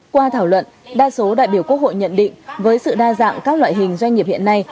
qua thảo luận đa số đại biểu quốc hội nhận định với sự đa dạng các loại hình doanh nghiệp hiện nay